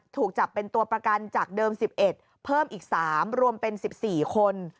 ถูกจับเป็นตัวประกันจากเดิม๑๑เพิ่มอีก๓รวมเป็น๑๔คน